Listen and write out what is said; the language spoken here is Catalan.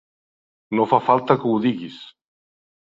No fa falta que ho diguis.